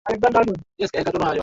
Juma anapenda kuogelea